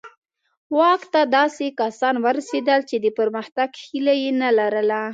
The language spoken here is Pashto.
واک ته داسې کسان ورسېدل چې د پرمختګ هیله یې نه لرله.